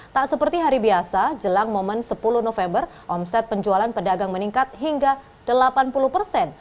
tak seperti hari biasa jelang momen sepuluh november omset penjualan pedagang meningkat hingga delapan puluh persen